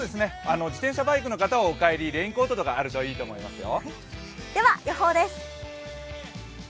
自転車、バイクの方はお帰りレインコートとかあるといいと思いますよ。